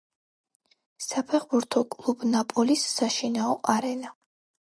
საფეხბურთო კლუბ „ნაპოლის“ საშინაო არენა.